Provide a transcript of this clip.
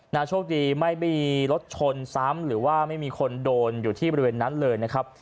โชคดีไม่มีรถชนซ้ำหรือว่าไม่มีคนโดนอยู่ที่บริเวณนั้นเลยนะครับ